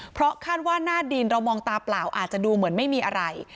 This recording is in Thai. เพราะคาดว่าหน้าดินเรามองตาเปล่าอาจจะดูเหมือนไม่มีอะไร